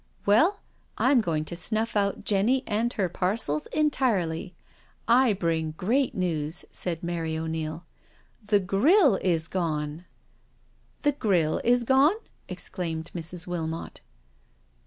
" Well, I'm going to snuff out Jenny and her parcels entirely — I bring great news," said Mary O'Neil. " The grille is gone I " "The grille is gone?" exclaimed Mrs. Wilmot.